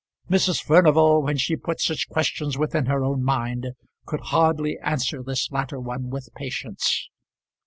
Mrs. Furnival, when she put such questions within her own mind, could hardly answer this latter one with patience.